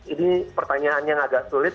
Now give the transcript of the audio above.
ini pertanyaannya agak sulit